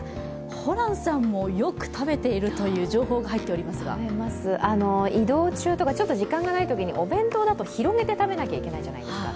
ホランさんもよく食べているという情報が入っていますが食べます、移動中とかちょっと時間がないときにお弁当だと広げて食べなきゃいけないじゃないですか。